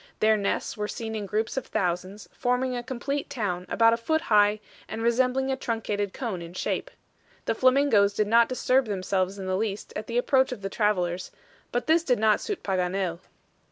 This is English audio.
Their nests were seen in groups of thousands, forming a complete town, about a foot high, and resembling a truncated cone in shape. The flamingos did not disturb themselves in the least at the approach of the travelers, but this did not suit Paganel.